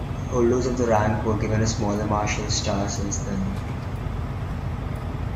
Holders of the ranks were given a smaller marshal's star since then.